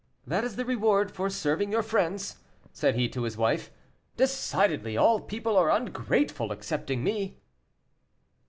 "That is the reward for serving your friends," said he to his wife; "decidedly all people are ungrateful excepting me."